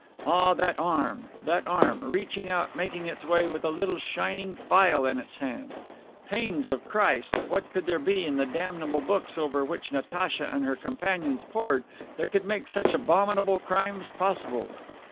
Ah, that arm, that arm! reaching out, making its way, with a little shining phial in its hand. Pains of Christ! What could there be in the damnable books over which Natacha and her companions pored that could make such abominable crimes possible?